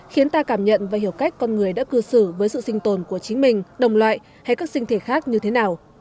khiến ta cảm nhận và hiểu cách con người đã cư xử với sự sinh tồn của chính mình đồng loại hay các sinh thể khác như thế nào